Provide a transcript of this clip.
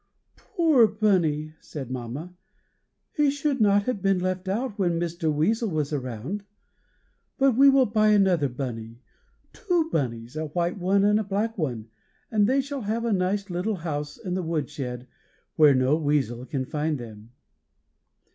"Poor Bunny!" said mamma; "he should not have been left out when Mr. Weasel was around. But we will buy another Bunny, two Bunnies, a white one and a black one, and they shall have a nice little house in the wood shed, where no weasel can find them."